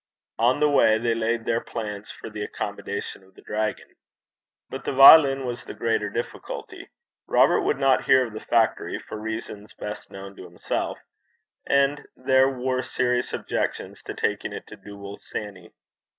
On the way they laid their plans for the accommodation of the dragon. But the violin was the greater difficulty. Robert would not hear of the factory, for reasons best known to himself, and there were serious objections to taking it to Dooble Sanny.